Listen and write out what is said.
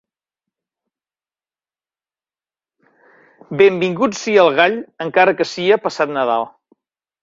Benvingut sia el gall, encara que sia passat Nadal.